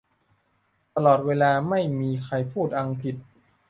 ตลอดเวลาไม่มีใครพูดอังกฤษ